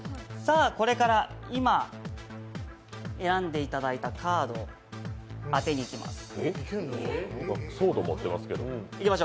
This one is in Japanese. これから今、選んでいただいたカードを当てにいきます。